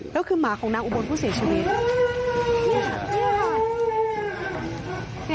แล้วคือหมาของนักอุบรณ์ผู้เสียชีวิต